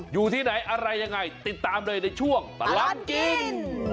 อยู่ที่ไหนอะไรยังไงติดตามเลยในช่วงตลอดกิน